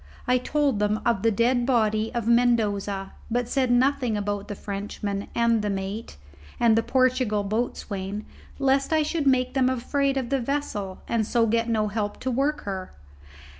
I told them of the dead body of Mendoza, but said nothing about the Frenchman and the mate, and the Portugal boatswain, lest I should make them afraid of the vessel, and so get no help to work her.